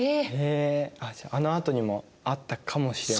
じゃああのあとにもあったかもしれない。